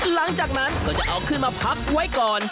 หลังจากนั้นก็จะเอาขึ้นมาพักไว้ก่อน